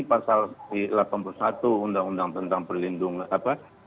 pasal delapan puluh satu undang undang tentang perlindungan apa